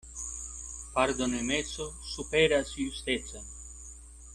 Pardonemeco superas justecon.